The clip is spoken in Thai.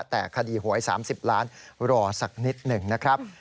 แต่คดีหวย๓๐ล้านรอสักนิดหนึ่งนะครับ